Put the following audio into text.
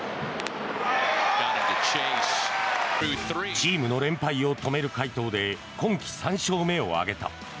チームの連敗を止める快投で今季３勝目を挙げた。